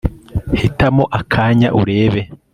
hitamo akanya urebe